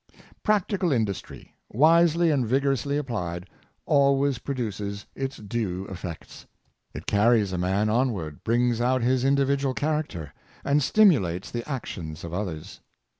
Practical industry, wisely and vigorously applied, always produces its due effects. It carries a man on ward, brings out his individual character, and stimu lates the actions of others.